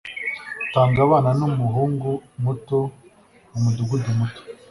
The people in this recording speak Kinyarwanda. Tango abana numuhungu muto mumudugudu muto.